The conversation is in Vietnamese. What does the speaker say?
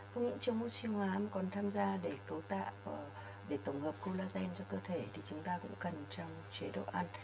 không những chống oxy hóa mà còn tham gia để tổng hợp collagen cho cơ thể thì chúng ta cũng cần trong chế độ ăn